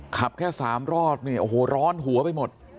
ขับแค่๓รอบเนี่ยโอ้โหร้อนหัวไปหมด